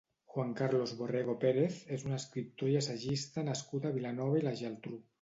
Juan Carlos Borrego Pérez és un escriptor i assajista nascut a Vilanova i la Geltrú.